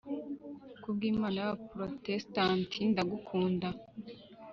Ku bw Inama y Abaprotestanti ndagukunda